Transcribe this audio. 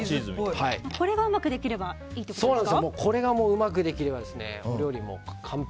これがうまくできればいいっていうことですか。